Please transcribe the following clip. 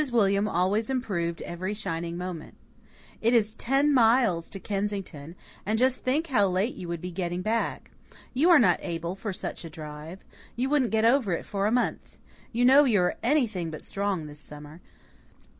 William always improved every shining moment. "It is ten miles to Kensington, and just think how late you would be getting back. You are not able for such a drive. You wouldn't get over it for a month. You know you are anything but strong this summer."